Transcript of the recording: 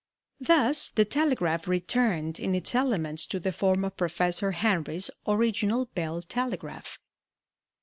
Thus the telegraph returned in its elements to the form of Professor Henry's original bell telegraph.